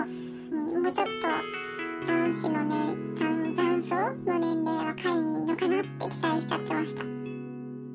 もうちょっと卵巣の年齢が若いのかなって期待しちゃってました。